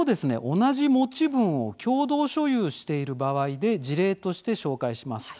同じ持ち分を共同所有している場合で事例として紹介します。